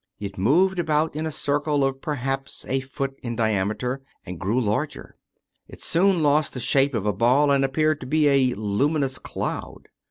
It moved about in a circle of perhaps a foot in diameter and grew larger. It soon lost the shape of a ball and appeared to be a luminous cloud.